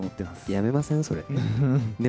やめません、それ。